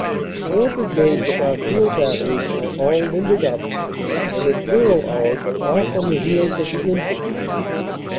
Four brigades of our field batteries are all limbered up, and at "zero" hour go off on the heels of the infantry.